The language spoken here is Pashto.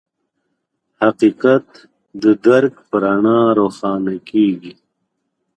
حقیقت د درک په رڼا روښانه کېږي.